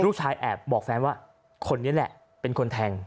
แอบบอกแฟนว่าคนนี้แหละเป็นคนแทง